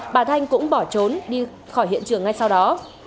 bà thanh cũng bỏ trốn đi khỏi hiện trường ngay sau đó